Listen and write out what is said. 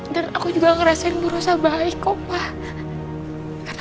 dan aku juga ngerasain bu rossa baik kok pak